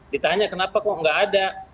ditanya kenapa kok nggak ada